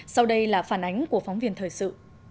sau đây là phản ánh của phóng viên thời sự